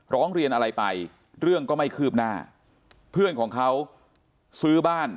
ร้องเรียนอะไรไปเรื่องก็ไม่คืบหน้าเพื่อนของเขาซื้อบ้าน